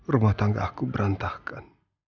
rumah tangga aku berantakan